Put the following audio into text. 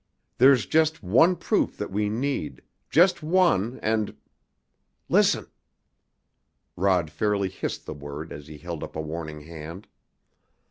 There's just one proof that we need, just one, and " "Listen!" Rod fairly hissed the word as he held up a warning hand.